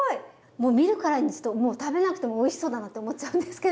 もう見るからに食べなくてもおいしそうだなって思っちゃうんですけど。